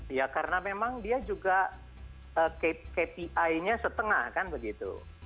ya karena memang dia juga kpi nya setengah kan begitu